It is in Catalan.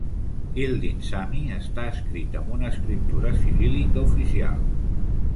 Kildin Sami està escrit amb una escriptura ciríl·lica oficial.